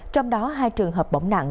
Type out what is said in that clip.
trong đó hai trường hợp bỏng nặng